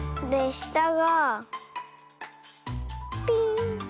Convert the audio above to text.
したがピーン。